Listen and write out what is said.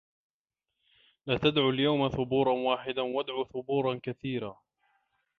لا تَدعُوا اليَومَ ثُبورًا واحِدًا وَادعوا ثُبورًا كَثيرًا